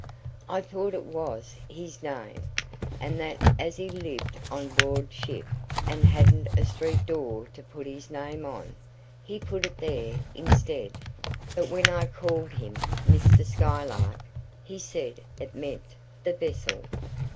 I thought it was his name; and that as he lived on board ship and hadn't a street door to put his name on, he put it there instead; but when I called him Mr. Skylark, he said it meant the vessel.